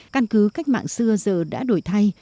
căn cứ cách mạng xưa giờ đã đổi thay